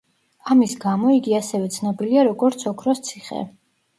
ამის გამო, იგი ასევე ცნობილია როგორც „ოქროს ციხე“.